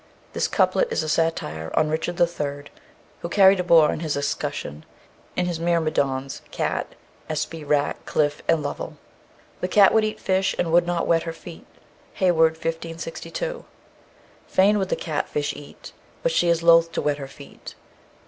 This couplet is a satire on Richard III. (who carried a boar on his escutcheon) and his myrmidons, _Cat_esby, _Rat_cliffe, and Lovell. The cat would eat fish, and would not wet her feet. HEYWOOD, 1562. "Fain would the cat fish eat, But she is loth to wet her feet."